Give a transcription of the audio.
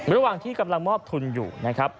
ระหว่างที่กำลังมอบทุนอยู่นะครับ